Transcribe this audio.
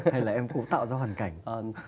hay là em cũng tạo ra hoàn cảnh